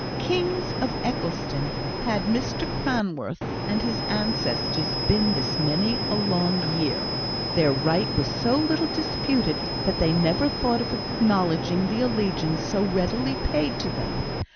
Kings of Eccleston had Mr Cranworth and his ancestors been this many a long year; their right was so little disputed that they never thought of acknowledging the allegiance so readily paid to them.